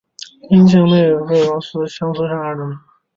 因境内岳阳县最高峰相思山而得名。